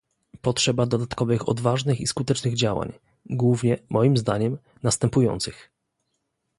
Potrzeba dodatkowych odważnych i skutecznych działań, głównie - moim zdaniem - następujących